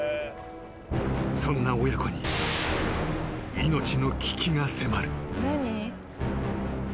［そんな親子に命の危機が迫る］